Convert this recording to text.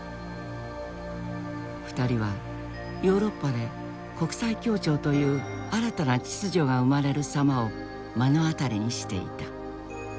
２人はヨーロッパで国際協調という新たな秩序が生まれる様を目の当たりにしていた。